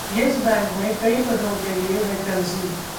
Yes bank में कई पदों के लिए वैकेंसी